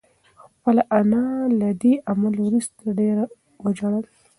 خپله انا له دې عمل وروسته ډېره وژړل.